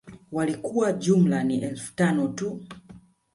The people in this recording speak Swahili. Walikuwa jumla ni Elfu tano tu